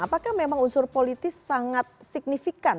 apakah memang unsur politis sangat signifikan